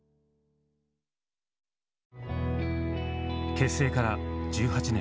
結成から１８年。